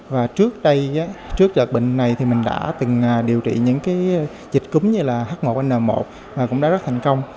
và trước đây trước đợt bệnh này thì mình đã từng điều trị những cái dịch cúm như là h một n một và cũng đã rất thành công